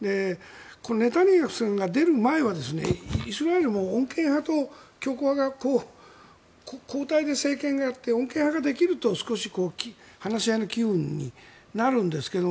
ネタニヤフさんが出る前はイスラエルも穏健派と強硬派が交代で政権をやって穏健派ができると少し話し合いの機運になるんですけど